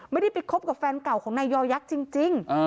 ไม่ได้ไปคบกับแฟนเก่าของนายยอยักษ์จริง